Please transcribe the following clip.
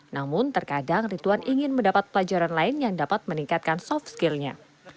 namun terkadang rituan ingin mendapat pelajaran lain yang dapat meningkatkan soft skillnya